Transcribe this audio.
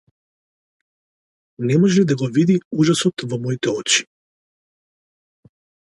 Не може ли да го види ужасот во моите очи?